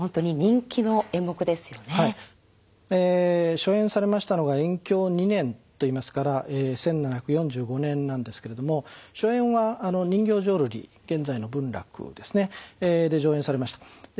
初演されましたのが延享２年といいますから１７４５年なんですけれども初演は人形浄瑠璃現在の文楽ですねで上演されました。